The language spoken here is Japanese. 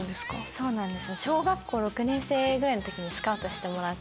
そうなんです。